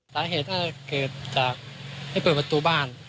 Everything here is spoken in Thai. สาเหตุน่าจะเกิดจากไม่เปิดประตูบ้าน